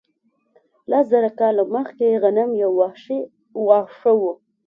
لس زره کاله مخکې غنم یو وحشي واښه و.